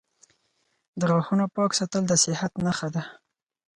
• د غاښونو پاک ساتل د صحت نښه ده.